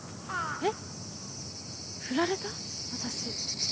えっ？